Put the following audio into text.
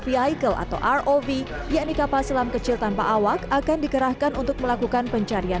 vehicle atau rov yakni kapal selam kecil tanpa awak akan dikerahkan untuk melakukan pencarian